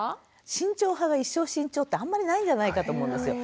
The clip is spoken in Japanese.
慎重派は一生慎重ってあんまりないんじゃないかと思うんですよ。